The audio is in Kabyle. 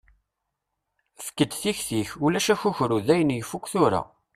Efk-d tiktik, ulac akukru dayen yeffuk tura.